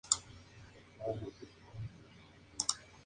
Tocó tango, jazz y bossa nova.